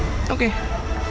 kalau gitu gue tau beres ya